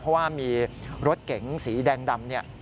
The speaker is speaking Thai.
เพราะว่ามีรถเก๋งสีแดงดำเนี่ย